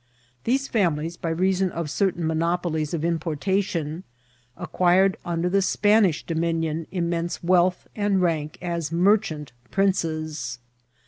These families, by reason of certain mo nopolies of importation, acquired under the Spanish do minion immense wealth and rank as ^^ merchant prin ces."